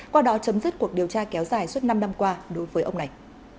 qua đó chấm dứt cuộc điều tra kéo dài suốt năm năm qua đối với ông này